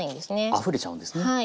あふれちゃうんですね。